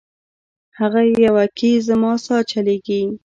هغه یوه کي زما سا چلیږي